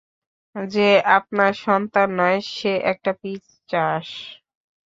সে আপনার সন্তান নয়, সে একটা পিশাচ!